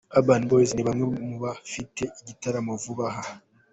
Urban Boys, ni bamwe mu bafite igitaramo vuba aha.